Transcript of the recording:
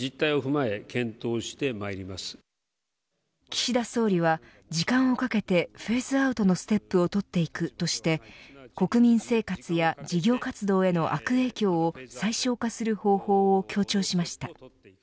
岸田総理は時間をかけてフェーズアウトのステップを取っていくとして国民生活や事業活動への悪影響を最小化する方法を強調しました。